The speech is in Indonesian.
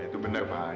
ya itu benar pak